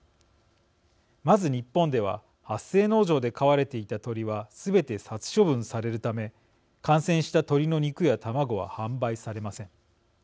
まず、日本では発生農場で飼われていた鳥はすべて殺処分されるため感染した鳥の肉や卵は販売されません。